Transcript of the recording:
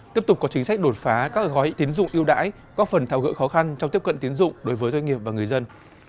tiếp tục có chính sách đột phá các gói tiến dụng yêu đãi có phần thao gỡ khó khăn trong tiếp cận tiến dụng đối với doanh nghiệp và người dân